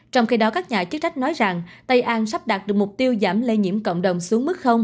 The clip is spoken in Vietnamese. trong khi đó các nhà chức trách nói rằng tây an sắp đạt được mục tiêu giảm lây nhiễm cộng đồng xuống mức